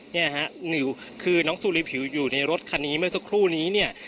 เนี่ยฮะนิวคือน้องซูรีผิวอยู่ในรถคันนี้เมื่อสักครู่นี้เนี่ย